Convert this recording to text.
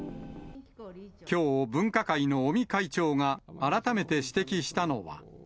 きょう、分科会の尾身会長が改めて指摘したのは。